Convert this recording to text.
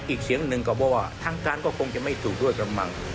อีกเสียงหนึ่งก็บอกว่าทางการก็คงจะไม่ถูกด้วยกระมัง